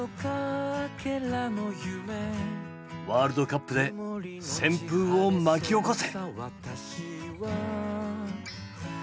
ワールドカップで旋風を巻き起こせ！